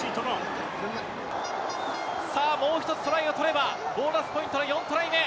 さあ、もう１つトライを取れれば、ボーナスポイントは４トライ目。